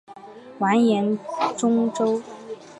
完颜宗弼。